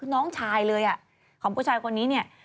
น้องชายเลยของผู้ชายคนนี้เนี่ย